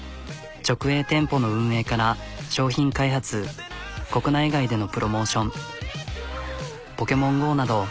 直営店舗の運営から商品開発国内外でのプロモーション。